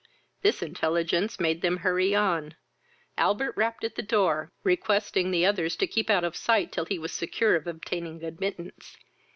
This intelligence made them hurry on. Albert rapped at the door, requesting the others to keep out of sight till he was secure of obtaining admittance.